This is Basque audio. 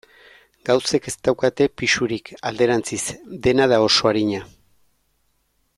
Gauzek ez daukate pisurik, alderantziz, dena da oso arina.